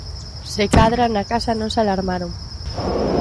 Se cadra na casa non se alarmaron.